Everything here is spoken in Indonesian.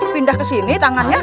pindah kesini tangannya